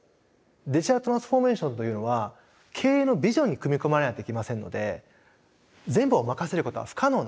デジタルトランスフォーメーションというのは経営のビジョンに組み込まれないといけませんので全部を任せることは不可能なんですね。